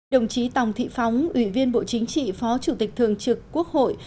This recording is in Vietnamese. đồng chí tòng thị phóng ủy viên bộ chính trị phó chủ tịch thường trực quốc hội